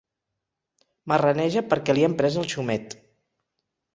Marraneja perquè li han pres el xumet.